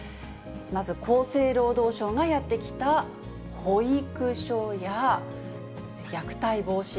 まず厚生労働省がやってきた保育所や、虐待防止。